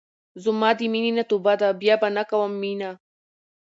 زما د مينې نه توبه ده بيا به نۀ کوم مينه